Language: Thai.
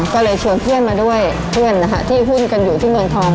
ก็เลยชวนเพื่อนมาด้วยเพื่อนนะคะที่หุ้นกันอยู่ที่เมืองทอง